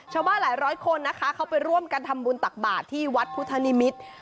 ชาวบ้านหลายร้อยคนนะคะเขาไปร่วมกันทำบุญตักบาทที่วัดพุทธนิมิตร